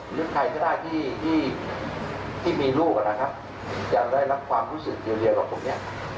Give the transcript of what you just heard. หรือใครก็ได้ที่มีลูกนะครับจะได้รับความรู้สึกเดียวกับผมเนี่ย